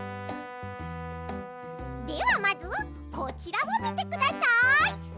ではまずこちらをみてください。